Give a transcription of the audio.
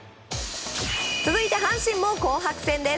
続いて阪神も紅白戦です。